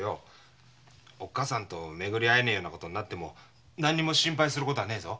おっかさんと巡り会えねえようなことになっても心配することはねえぞ。